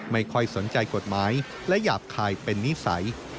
ไม่ค่อยสนใจกฎหมายและหยาบคายเป็นนิสัย